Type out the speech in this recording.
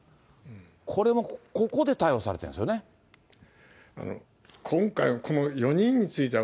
これも、ここで逮捕されてるんで今回のこの４人については、